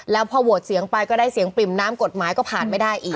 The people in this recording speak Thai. แล้วพอโหวตเสียงไปก็ได้เสียงปริ่มน้ำกฎหมายก็ผ่านไม่ได้อีก